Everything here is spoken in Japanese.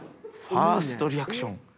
ファーストリアクション。